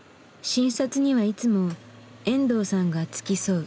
診察にはいつも遠藤さんが付き添う。